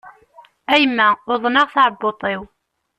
A yemma, uḍneɣ taɛebbuḍt-iw!